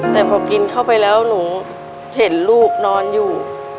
แต่พอกินเข้าไปแล้วหนูเห็นลูกนอนอยู่